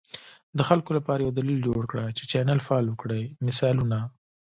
د خلکو لپاره یو دلیل جوړ کړه چې چینل فالو کړي، مثالونه: